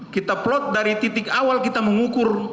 kita plot dari titik awal kita mengukur